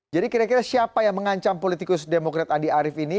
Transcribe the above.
jadi kira kira siapa yang mengancam politikus demokrat andi arief ini